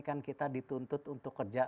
kan kita dituntut untuk kerja